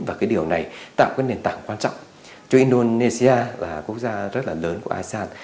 và cái điều này tạo cái nền tảng quan trọng cho indonesia là quốc gia rất là lớn của asean